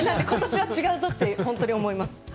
今年は違うって本当に思います。